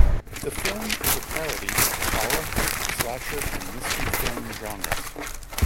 The film is a parody of the horror, slasher, and mystery film genres.